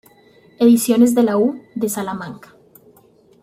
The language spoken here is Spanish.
Ediciones de la U. de Salamanca.